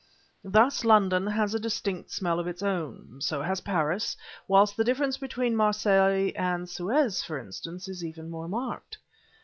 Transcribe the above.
Thus, London has a distinct smell of its own, and so has Paris, whilst the difference between Marseilles and Suez, for instance, is even more marked.